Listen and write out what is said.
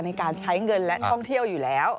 ในการใช้เงินและท่องเที่ยวอยู่แล้ว